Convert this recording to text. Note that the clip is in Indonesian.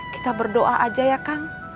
kita berdoa aja ya kang